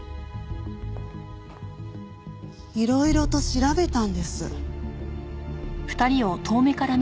いろいろと調べたんです。